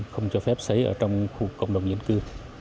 không cho phép xấy ở trong khu cộng đồng dân cư